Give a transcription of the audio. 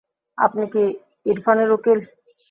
আপনি কি ইরফানের উকিল?